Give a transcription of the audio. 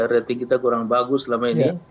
rating kita kurang bagus selama ini